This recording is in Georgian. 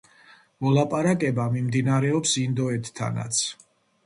მოლაპარაკება მიმდინარეობს ინდოეთთანაც.